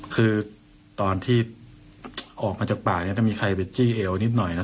คือตอนที่ออกมาจากป่าเนี่ยถ้ามีใครไปจี้เอวนิดหน่อยนะ